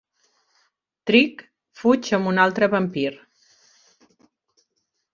Trick fuig amb altre vampir.